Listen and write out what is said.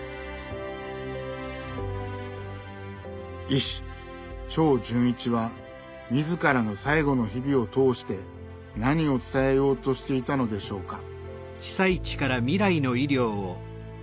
医師・長純一は自らの最期の日々を通して何を伝えようとしていたのでしょうか。